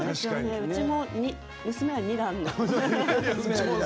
うちも娘は２段の。